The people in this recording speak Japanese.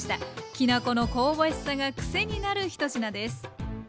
きな粉の香ばしさがクセになる１品です。